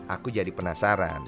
aku jadi penasaran